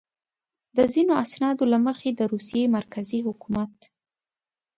د ځینو اسنادو له مخې د روسیې مرکزي حکومت.